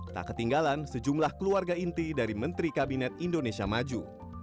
tak ketinggalan sejumlah keluarga inti dari menteri kabinet indonesia maju